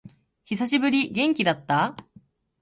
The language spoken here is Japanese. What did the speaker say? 久しぶり。元気だった？